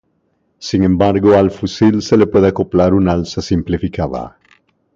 Sin embargo, al fusil se le puede acoplar un alza simplificada.